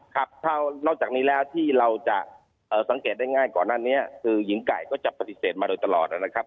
ครับถ้านอกจากนี้แล้วที่เราจะสังเกตได้ง่ายก่อนหน้านี้คือหญิงไก่ก็จะปฏิเสธมาโดยตลอดนะครับ